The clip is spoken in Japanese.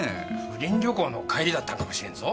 不倫旅行の帰りだったのかもしれんぞ？